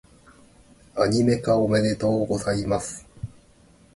アニメ化、おめでとうございます！